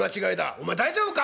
「お前大丈夫か？